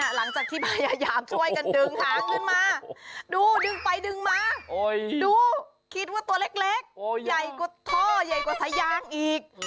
ใหญ่กว่าท่อใหญ่กว่าสายยางอีก